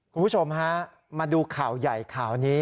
คุณผู้ชมฮะมาดูข่าวใหญ่ข่าวนี้